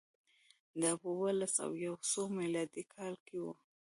دا په اووه لس او یو سوه میلادي کال کې و